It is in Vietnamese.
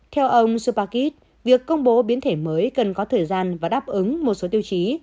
theo ông supakis việc công bố biến thể mới cần có thời gian và đáp ứng một số tiêu chí